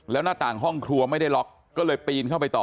แล้วหน้าต่างห้องครัวไม่ได้ล็อกก็เลยปีนเข้าไปต่อ